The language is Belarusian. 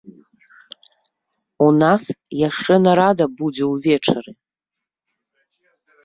У нас яшчэ нарада будзе ўвечары.